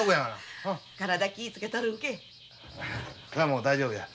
もう大丈夫や。